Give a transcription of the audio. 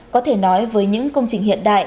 có thể nói với những công trình hiện đại